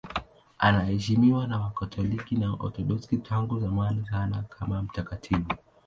Anaheshimiwa na Wakatoliki na Waorthodoksi tangu zamani sana kama mtakatifu.